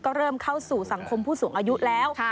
ก็เริ่มเข้าสู่สังคมผู้สูงอายุแล้ว